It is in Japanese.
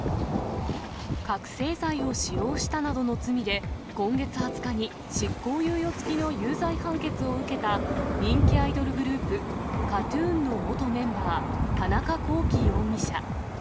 覚醒剤を使用したなどの罪で、今月２０日に、執行猶予付きの有罪判決を受けた、人気アイドルグループ、ＫＡＴーＴＵＮの元メンバー、田中聖容疑者。